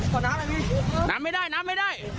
ขอน้ำใหม่พี่